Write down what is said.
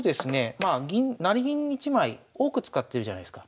まあ成銀１枚多く使ってるじゃないすか。